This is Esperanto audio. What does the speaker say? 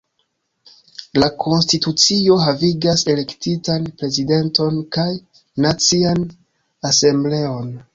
La konstitucio havigas elektitan Prezidenton kaj Nacian Asembleon.